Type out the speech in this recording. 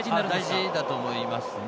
大事だと思いますね。